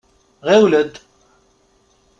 Ɣiwel-d.